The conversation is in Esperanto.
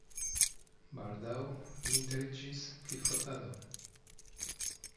Baldaŭ li interesiĝis pri fotado.